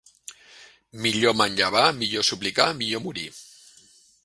Millor manllevar, millor suplicar, millor morir!